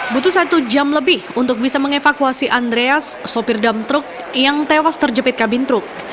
butuh satu jam lebih untuk bisa mengevakuasi andreas sopir dam truk yang tewas terjepit kabin truk